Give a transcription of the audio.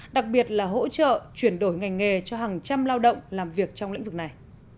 đặc biệt là hỗ trợ chuyển đổi ngành nghề cho hàng trăm lao động làm việc trong lĩnh vực này